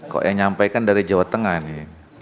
kok yang nyampaikan dari jawa tengah nih